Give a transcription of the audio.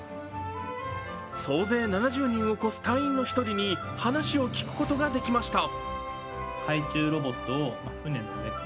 総勢７０人を超す隊員の１人に話を聞くことができました。